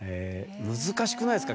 難しくないですか？